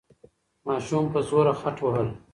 ماشوم په زوره خټ وهل.